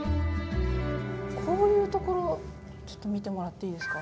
こういうところちょっと見てもらっていいですか。